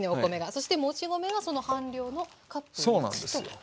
そしてもち米はその半量のカップ１と。